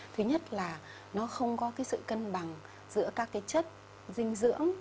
thứ nhất là nó không có sự cân bằng giữa các chất dinh dưỡng